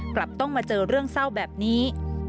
กลับต้องมาเจอเรื่องเศร้าแบบนี้